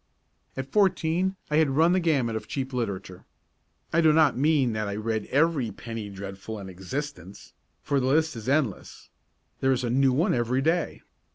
At fourteen I had run the gamut of cheap literature. I do not mean that I read every "penny dreadful" in existence, for the list is endless there is a new one every day.